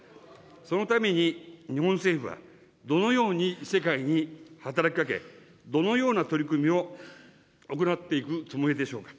そのために、日本政府は、どのように世界に働きかけ、どのような取り組みを行っていくつもりでしょうか。